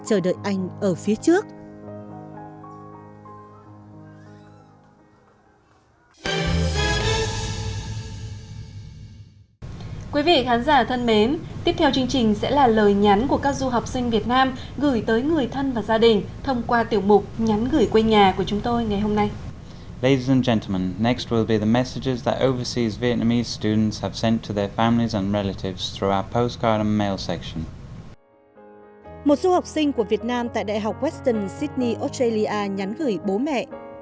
một số học sinh của việt nam tại đại học western sydney australia nhắn gửi bố mẹ